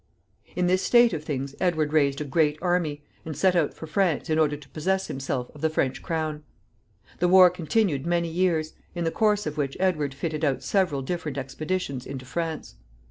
In this state of things Edward raised a great army, and set out for France in order to possess himself of the French crown. The war continued many years, in the course of which Edward fitted out several different expeditions into France.